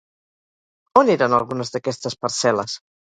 On eren algunes d'aquestes parcel·les?